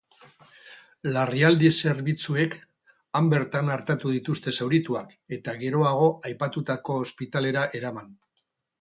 Larrialdi zerbitzuek han bertan artatu dituzte zaurituak, eta geroago aipatutako ospitalera eraman.